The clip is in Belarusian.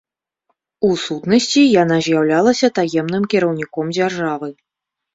У сутнасці, яна з'яўлялася таемным кіраўніком дзяржавы.